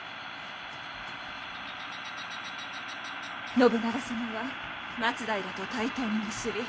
信長様は松平と対等に結び